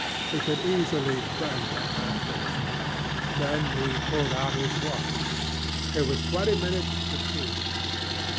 He could easily burn them afterwards. Then he pulled out his watch. It was twenty minutes to two.